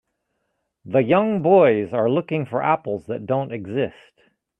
The young boys are looking for apples that do n't exist.